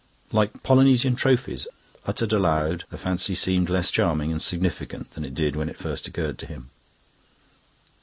"Like Polynesian trophies..." Uttered aloud, the fancy seemed less charming and significant than it did when it first occurred to him.